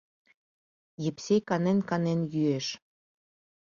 Епсей канен-канен йӱэш.